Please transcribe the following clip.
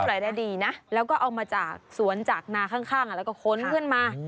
รายได้ดีนะแล้วก็เอามาจากสวนจากนาข้างแล้วก็ค้นขึ้นมา